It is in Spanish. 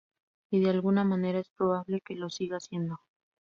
Y, de alguna manera, es probable que lo siga siendo.